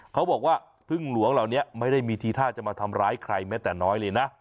เขาบอกว่าพึ่งหลวงเหล่านี้ไม่ได้มีทีท่าจะมาทำร้ายใครแม้แต่น้อยเลยนะ